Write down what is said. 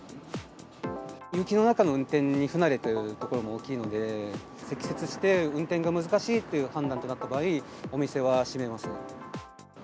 雪の中の運転に不慣れというところも大きいので、積雪して運転が難しいという判断になった場合、お店は閉めます。